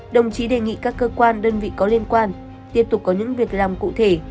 đồng chí đề nghị các cơ quan đơn vị có liên quan tiếp tục có những việc làm cụ thể